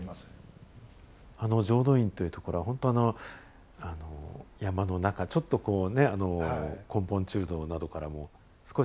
浄土院というところはほんと山の中ちょっとこうね根本中堂などからも少し離れたところにあります。